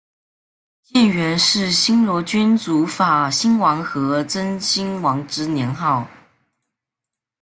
建元是新罗君主法兴王和真兴王之年号。